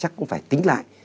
chắc cũng phải tính lại